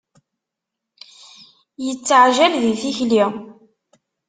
Yetteɛjal di tikli.